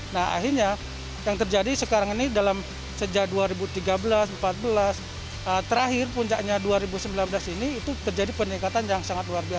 nah akhirnya yang terjadi sekarang ini dalam sejak dua ribu tiga belas dua ribu empat belas terakhir puncaknya dua ribu sembilan belas ini itu terjadi peningkatan yang sangat luar biasa